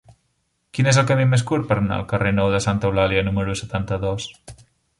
Quin és el camí més curt per anar al carrer Nou de Santa Eulàlia número setanta-dos?